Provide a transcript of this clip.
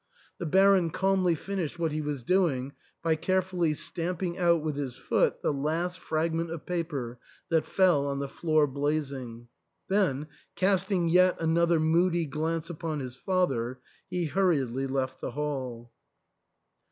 The Baron calmly finished what he was doing by carefully stamping out with his foot the last fragment of paper that fell on the floor blazing. Then, casting yet another moody glance upon his father, he hurriedly left the hall.